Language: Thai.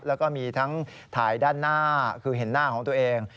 แล้วก็มีทั้งถ่ายด้านหน้าคือเห็นหน้าของตัวเอง